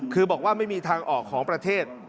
คือบอกว่าไม่มีทางออกของประเทศ